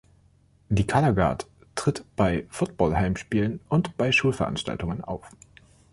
Die Color Guard tritt bei Football-Heimspielen und bei Schulveranstaltungen auf.